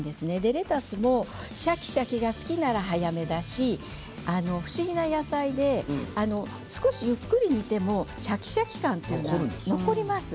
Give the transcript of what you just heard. レタスもシャキシャキが好きなら早めだし、不思議な野菜で少しゆっくり煮てもシャキシャキ感というのは残ります。